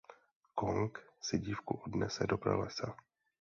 Kong si dívku odnese do pralesa.